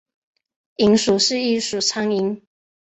蝇属是一属苍蝇。